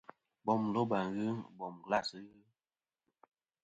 Bom loba ghɨ, bom glas ghɨ.